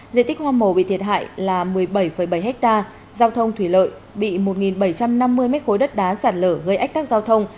diện tích hoa mồ bị thiệt hại là một mươi bảy bảy ha giao thông thủy lợi bị một bảy trăm năm mươi m ba đất đá sạt lở gây ách tắc giao thông